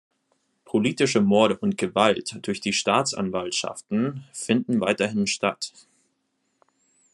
Politische Morde und Gewalt durch die Staatsanwaltschaften finden weiterhin statt.